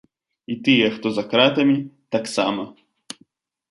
І тыя, хто за кратамі, таксама.